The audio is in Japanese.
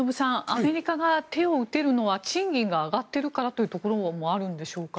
アメリカが手を打てるのは賃金が上がっているからというところもあるんでしょうか。